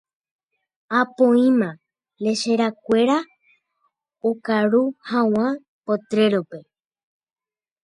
Apoíma lecherakuéra okaru hag̃ua potrero-pe.